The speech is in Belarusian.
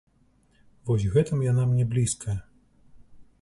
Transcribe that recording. Вось гэтым яна мне блізкая.